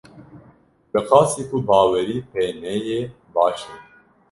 Bi qasî ku bawerî pê neyê baş e.